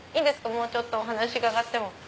もうちょっとお話伺っても。